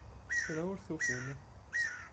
Kra ur t-ufin.